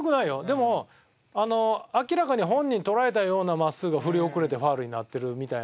でも明らかに本人捉えたような真っすぐは振り遅れてファウルになってるみたいな。